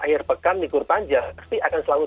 air pekan mikir panjang pasti akan selalu